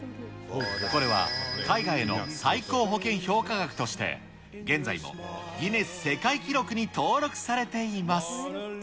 これは絵画への最高保険評価額として、現在もギネス世界記録に登録されています。